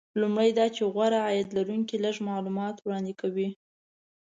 لومړی دا چې غوره عاید لرونکي لږ معلومات وړاندې کوي